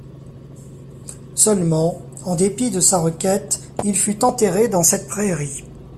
Seulement, en dépit de sa requête, il fut enterré dans cette prairie.